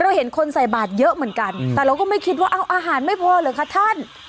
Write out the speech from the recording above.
เห็นคนใส่บาทเยอะเหมือนกันแต่เราก็ไม่คิดว่าเอาอาหารไม่พอเหรอคะท่าน